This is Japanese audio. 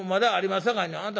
さかいにあんた